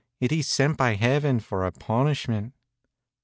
It iss sent by heaven for a punishment."